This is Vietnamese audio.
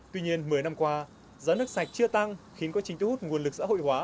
tuy nhiên một mươi năm qua giá nước sạch chưa tăng khiến quá trình tu hút nguồn lực xã hội hóa